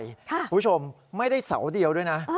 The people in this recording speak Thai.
คุณผู้ชมไม่ได้เสาเดียวด้วยนะ